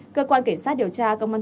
cơ quan cảnh sát điều tra công an